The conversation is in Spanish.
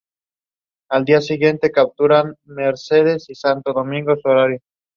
Pocos matemáticos vieron la necesidad de estudiar estos objetos en sí mismos.